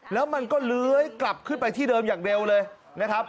แล้วมันก็เลื้อยกลับขึ้นไปที่เดิมอย่างเร็วเลยนะครับ